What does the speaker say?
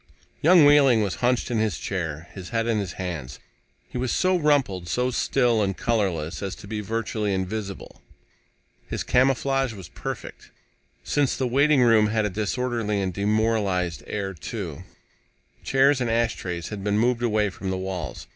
Young Wehling was hunched in his chair, his head in his hand. He was so rumpled, so still and colorless as to be virtually invisible. His camouflage was perfect, since the waiting room had a disorderly and demoralized air, too. Chairs and ashtrays had been moved away from the walls.